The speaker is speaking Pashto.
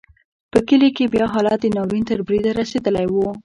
په کلیو کې بیا حالت د ناورین تر بریده رسېدلی و.